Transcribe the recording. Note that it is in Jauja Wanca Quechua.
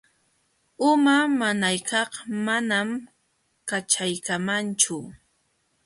Uma nanaykaq manam kaćhaykamanchu.